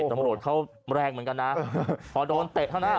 โอ๊ยตะตำรวจเข้าแรงเหมือนกันนะฮะขอโดนเตะเท่าน่ะ